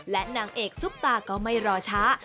และนางเอกซุปตาก็ไม่รอช้า